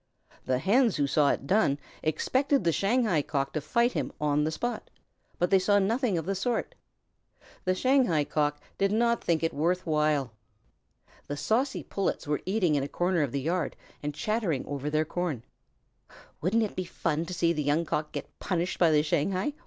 The Hens who saw it done expected the Shanghai Cock to fight him on the spot, but they saw nothing of the sort. The Shanghai Cock did not think it worth while. The saucy Pullets were eating in a corner of the yard and chattering over their corn. "Wouldn't it be fun to see the Young Cock get punished by the Shanghai?"